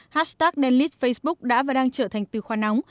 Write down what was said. hashtag denlead facebook đã và đang trở thành từ khoa nóng